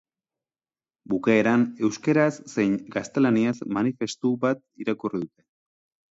Bukaeran euskaraz zein gaztelaniaz manifestu bat irakurri dute.